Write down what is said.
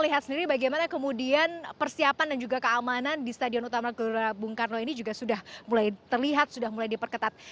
kita lihat sendiri bagaimana kemudian persiapan dan juga keamanan di stadion utama gelora bung karno ini juga sudah mulai terlihat sudah mulai diperketat